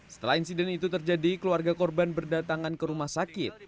setelah insiden itu terjadi keluarga korban berdatangan ke rumah sakit